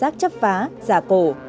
giác chấp phá giả cổ